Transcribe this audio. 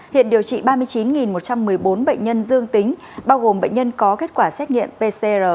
hiện điều trị ba mươi chín một trăm một mươi bốn bệnh nhân dương tính bao gồm bệnh nhân có kết quả xét nghiệm pcr